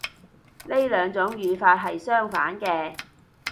呢兩種語法係相反嘅